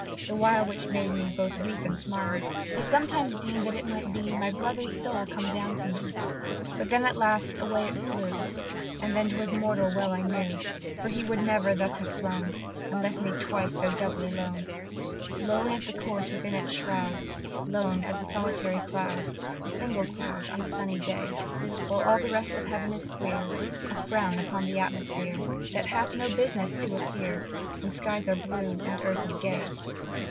the while Which made me both to weep and smile I sometimes deem'd that it might be My brother's soul come down to me; But then at last away it flew, And then 'twas mortal well I knew, For he would never thus have flown, And left me twice so doubly lone, Lone as the corse within its shroud, Lone as a solitary cloud, A single cloud on a sunny day, While all the rest of heaven is clear, A frown upon the atmosphere, That hath no business to appear When skies are blue, and earth is gay.